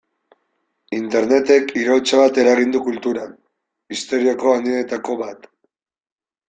Internetek iraultza bat eragin du kulturan, historiako handienetako bat.